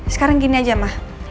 sekarang gini aja ma